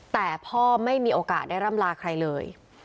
แต่พ่อไม่มีโอกาสได้ร่ำลาใครเลย